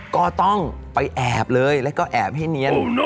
ก็ต้องไปแอบเลยแล้วก็แอบให้เนียน